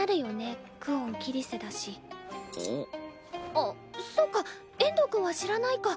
あっそうか遠藤くんは知らないか。